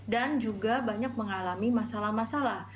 dan juga banyak mengalami masalah masalah